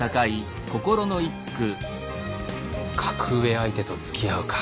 格上相手とつきあうか。